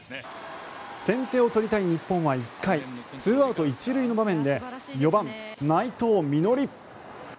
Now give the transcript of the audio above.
先手を取りたい日本は１回２アウト１塁の場面で４番、内藤実穂。